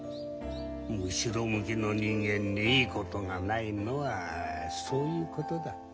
後ろ向きの人間にいいことがないのはそういうことだ。